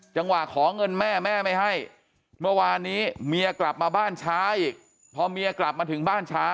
ขอเงินแม่แม่ไม่ให้เมื่อวานนี้เมียกลับมาบ้านช้าอีกพอเมียกลับมาถึงบ้านช้า